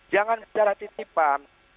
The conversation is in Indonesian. jangan secara titipan